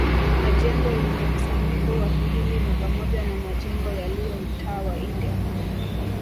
Majengo yenye usanifu wa kihindi ni pamoja na majengo yaliyo mtaa wa India